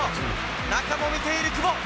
中も見ている久保。